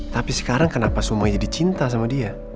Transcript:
tapi sekarang kenapa semuanya jadi cinta sama dia